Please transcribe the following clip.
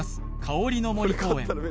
香りの森公園